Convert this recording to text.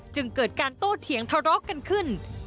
จึงเกิดการโต้เถียงทะเลาะกันขึ้น